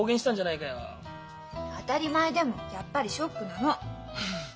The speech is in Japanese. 「当たり前」でもやっぱりショックなの！